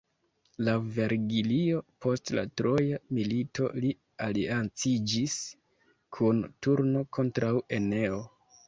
Laŭ Vergilio, post la Troja milito li alianciĝis kun Turno kontraŭ Eneo.